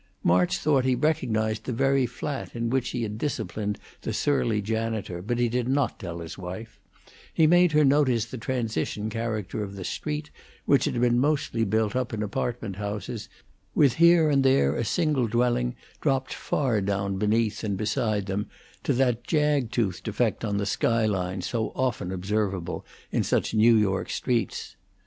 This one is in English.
March thought he recognized the very flat in which he had disciplined the surly janitor, but he did not tell his wife; he made her notice the transition character of the street, which had been mostly built up in apartment houses, with here and there a single dwelling dropped far down beneath and beside them, to that jag toothed effect on the sky line so often observable in such New York streets.